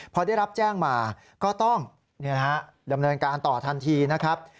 พอได้รับแจ้งมาก็ต้องดำเนินการต่อทันทีนะครับ